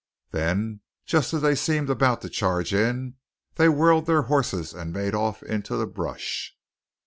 Then just as they seemed about to charge in, they whirled their horses and made off into the brush.